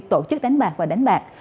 tổ chức đánh bạc và đánh bạc